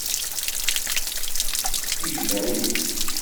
Ijmeɛ-itt.